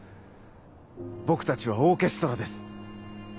僕たちはオーケストラです。